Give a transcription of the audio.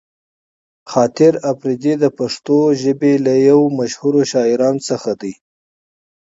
خاطر اپريدی د پښتو ژبې يو له مشهورو شاعرانو څخه دې.